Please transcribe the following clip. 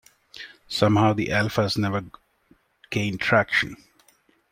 Somehow, the Alphas never gained traction.